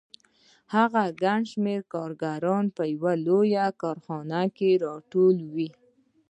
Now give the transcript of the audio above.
هغه ګڼ شمېر کارګران په یوه لویه کارخانه کې راټولوي